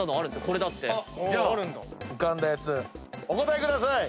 じゃあ浮かんだやつお答えください。